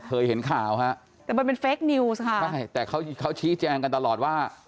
เคยเห็นข่าวฮะแต่มันเป็นเฟคนิวส์ค่ะใช่แต่เขาเขาชี้แจงกันตลอดว่า